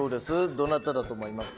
どなただと思いますか？